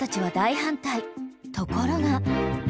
［ところが］